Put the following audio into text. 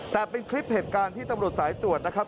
แต่เป็นคลิปเหตุการณ์ที่ตำรวจสายตรวจนะครับ